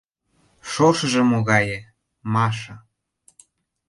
— Шошыжо могае, Маша!